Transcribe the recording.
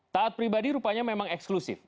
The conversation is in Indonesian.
taat pribadi rupanya memang eksklusif